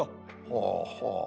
ほうほう。